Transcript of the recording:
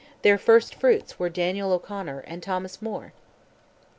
Their first fruits were Daniel O'Connell and Thomas Moore!